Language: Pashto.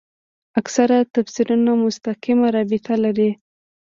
اکثره تفسیرونه مستقیمه رابطه لري.